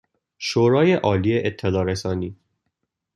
شورای عالی اطلاع رسانی